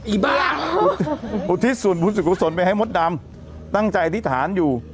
อุทิศส่วนบุญสุขุศลไปให้มดดำตั้งใจอธิษฐานอยู่